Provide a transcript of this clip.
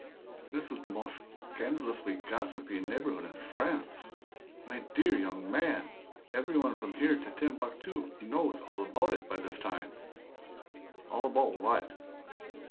"This is the most scandalously gossipy neighbourhood in France. My DEAR young man, every one from here to Timbuctu knows all about it by this time!" "All about what?"